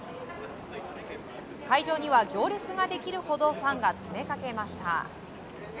会場には行列ができるほどファンが詰めかけました。